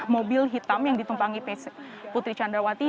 mobil hitam yang ditumpangi pc putri chandrawati